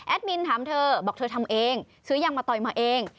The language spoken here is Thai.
มินถามเธอบอกเธอทำเองซื้อยางมะตอยมาเอง